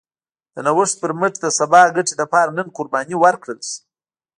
د نوښت پر مټ د سبا ګټې لپاره نن قرباني ورکړل شي.